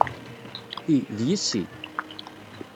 Ti, d yessi.